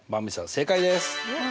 正解です。